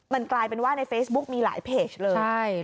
มันกลายเป็นว่าในเฟซบุ๊กมีหลายเพจเลย